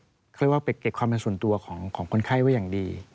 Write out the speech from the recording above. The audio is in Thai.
เขาเรียกว่าไปเก็บความเป็นส่วนตัวของคนไข้ไว้อย่างดี